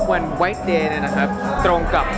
วันไวท์เดย์นะครับตรงกับ